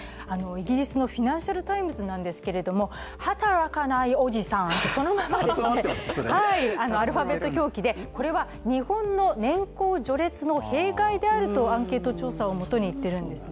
イギリスの「フィナンシャルタイムズ」ですけれども、アルファベット表記でこれは日本の年功序列の弊害であるとアンケート調査をもとにいっているんです。